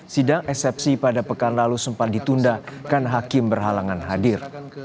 sidang eksepsi pada pekan lalu sempat ditunda karena hakim berhalangan hadir